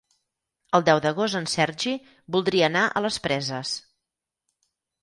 El deu d'agost en Sergi voldria anar a les Preses.